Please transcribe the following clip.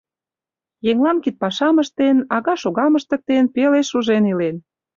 Еҥлан кидпашам ыштен, ага-шогам ыштыктен, пеле шужен илен.